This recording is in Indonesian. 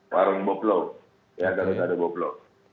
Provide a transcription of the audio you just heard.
warung boklo ya kalau tidak ada boklo